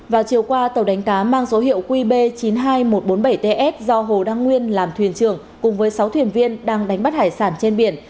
vào chiều qua tàu đánh cá mang số hiệu qb chín mươi hai nghìn một trăm bốn mươi bảy ts do hồ đăng nguyên làm thuyền trưởng cùng với sáu thuyền viên đang đánh bắt hải sản trên biển